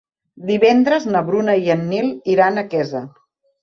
Divendres na Bruna i en Nil iran a Quesa.